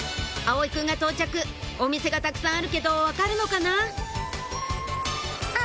葵くんが到着お店がたくさんあるけど分かるのかな？